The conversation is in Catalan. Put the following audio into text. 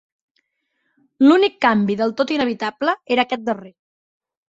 L'únic canvi del tot inevitable era aquest darrer.